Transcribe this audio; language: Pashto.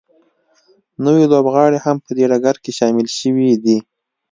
نوي لوبغاړي هم په دې ډګر کې شامل شوي دي